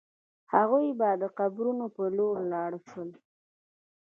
هغوی د قبرونو په لور لاړ شول.